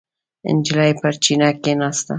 نجلۍ پر چینه کېناسته.